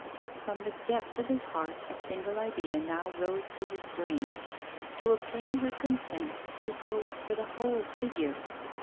From the depths of his heart a single idea now rose to his brain: to obtain her consent to pose for the whole figure.